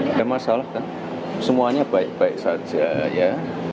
tidak masalah kan semuanya baik baik saja ya